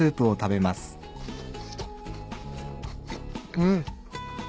うん。